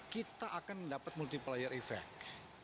kita akan mendapat multiplier effect